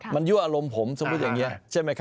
มันยั่วอารมณ์ผมสมมุติอย่างนี้ใช่ไหมครับ